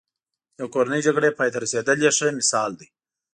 د کورنۍ جګړې پای ته رسېدل یې ښه مثال دی.